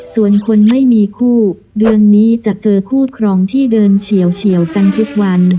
ส่วนคนไม่มีคู่เดือนนี้จะเจอคู่ครองที่เดินเฉียวกันทุกวัน